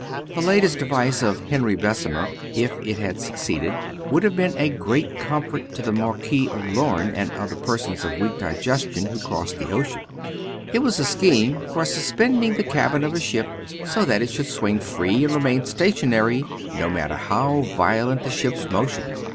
The latest device of Henry Bessemer, if it had succeeded, would have been a great comfort to the Marquis of Lorne and other persons of weak digestion who cross the ocean. It was a scheme for suspending the cabin of a ship so that it should swing free and remain stationary, no matter how violent the ship's motion.